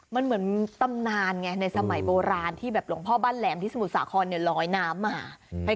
มันเหมือนตำนานไงในสมัยโบราณที่แบบหลวงพ่อบ้านแหลมที่สมุทรสาครลอยน้ำมา